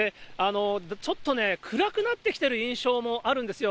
ちょっとね、暗くなってきてる印象もあるんですよ。